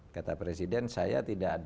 kata presiden saya tidak ada